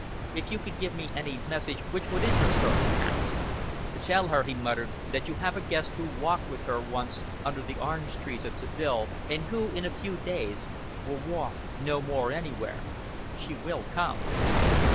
"If you could give me any message which would interest her, perhaps " "Tell her," he muttered, "that you have a guest who walked with her once under the orange trees at Seville, and who in a few days will walk no more anywhere! She will come!"